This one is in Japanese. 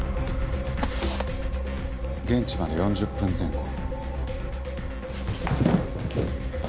現地まで４０分前後。